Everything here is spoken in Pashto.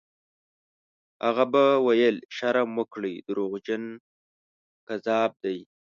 هغه به ویل: «شرم وکړئ! دروغجن، کذاب دی».